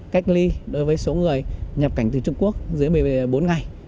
cách ly đối với số người nhập cảnh từ trung quốc dưới một mươi bốn ngày